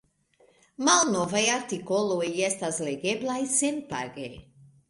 Malnovaj artikoloj estas legeblaj senpage.